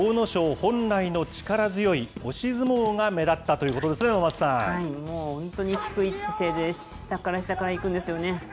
本来の力強い押し相撲が目立ったということですね、もう本当に、低い姿勢で下から下からいくんですよね。